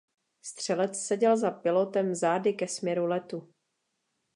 Střelec seděl za pilotem zády ke směru letu.